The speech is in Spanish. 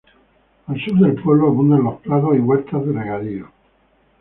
Al sur del pueblo abundan los prados y huertas de regadío.